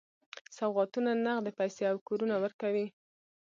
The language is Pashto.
سوغاتونه، نغدي پیسې او کورونه ورکوي.